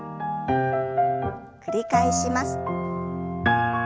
繰り返します。